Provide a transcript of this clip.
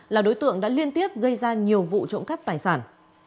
là đối tượng đã liên tiếp gây ra nhiều vụ trộm cắp tài sản